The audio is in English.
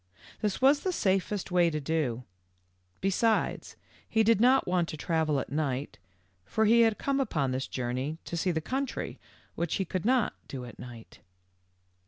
This was the safest way to do ; besides, he did not want to travel at night, for he had come upon this journey to see the country, which he could not do at night.